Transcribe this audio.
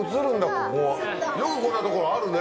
ここよくこんな所あるね。